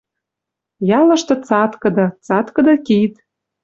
Ялышты цаткыды, цаткыды кид.